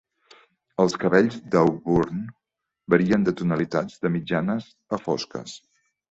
Els cabells d'Auburn varien de tonalitats de mitjanes a fosques.